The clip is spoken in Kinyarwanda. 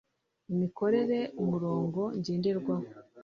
imikorere umurongo ngenderwaho